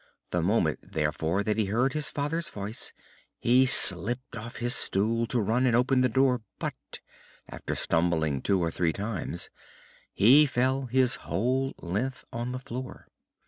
The moment, therefore, that he heard his father's voice he slipped off his stool to run and open the door; but, after stumbling two or three times, he fell his whole length on the floor.